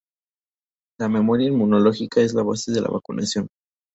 La memoria inmunológica es la base de la vacunación.